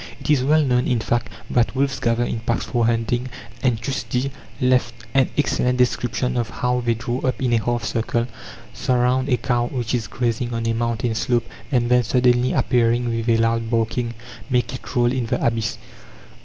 It is well known, in fact, that wolves gather in packs for hunting, and Tschudi left an excellent description of how they draw up in a half circle, surround a cow which is grazing on a mountain slope, and then, suddenly appearing with a loud barking, make it roll in the abyss.